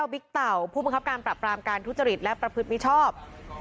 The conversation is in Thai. บิ๊กเต่าผู้บังคับการปรับปรามการทุจริตและประพฤติมิชชอบ